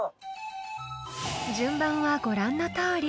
［順番はご覧のとおり］